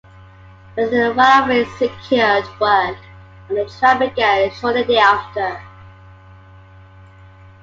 With the right-of-way secured, work on the trail began shortly thereafter.